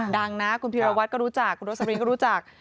ดังนะหนูก็รู้จัก